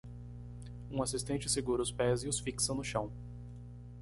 Um assistente segura os pés e os fixa no chão.